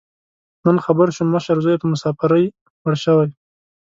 نن خبر شوم، مشر زوی یې په مسافرۍ مړ شوی.